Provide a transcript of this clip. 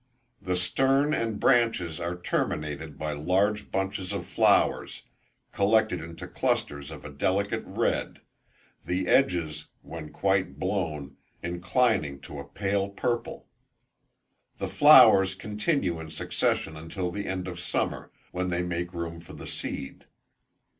The stem and branches are terminated by large bunches of flowers, collected into clusters of a delicate red, the edges, when quite blown, inclining to a pale purple. The flowers continue in succession until the end of summer, when they make room for the seed.